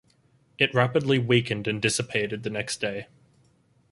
It rapidly weakened and dissipated the next day.